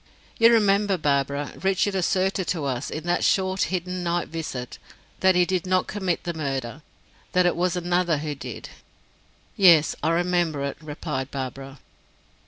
You remember, Barbara, Richard asserted to us, in that short, hidden night visit, that he did not commit the murder; that it was another who did?" "Yes, I remember it," replied Barbara.